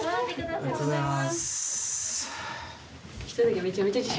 ありがとうございます。